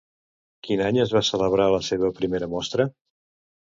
Quin any es va celebrar la seva primera mostra?